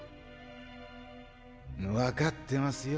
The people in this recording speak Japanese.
分かってますよ。